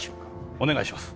お願いします。